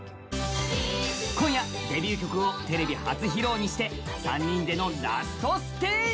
今夜デビュー曲をテレビ初披露にして３人でのラストステージ！